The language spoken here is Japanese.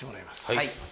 はい。